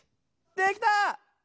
できた！